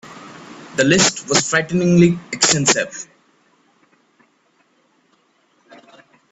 The list was frighteningly extensive.